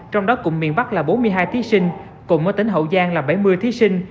trong đó cùng miền bắc là bốn mươi hai thí sinh cùng ở tỉnh hậu giang là bảy mươi thí sinh